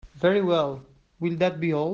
Very well, will that be all?